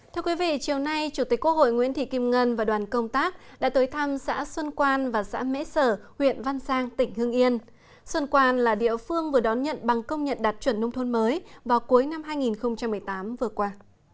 thưa quý vị chiều nay chủ tịch quốc hội nguyễn thị kim ngân và đoàn công tác đã tới thăm xã xuân quan và xã mễ sở huyện văn giang tỉnh hương yên xuân quan là địa phương vừa đón nhận bằng công nhận đạt chuẩn nông thôn mới vào cuối năm hai nghìn một mươi tám vừa qua